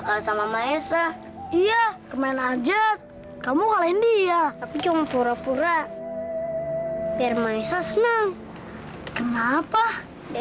kalah sama maesah iya kemarin aja kamu kalahin dia tapi cuma pura pura bermaisa senang kenapa